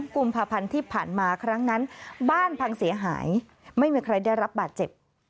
กุมภาพันธ์ที่ผ่านมาครั้งนั้นบ้านพังเสียหายไม่มีใครได้รับบาดเจ็บ